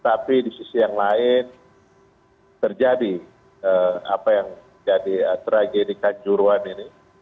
tapi di sisi yang lain terjadi apa yang jadi tragedi kanjuruan ini